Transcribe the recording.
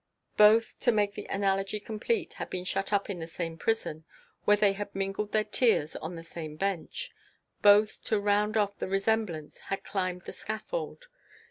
Both, to make the analogy complete, had been shut up in the same prison, where they had mingled their tears on the same bench; both, to round off the resemblance, had climbed the scaffold.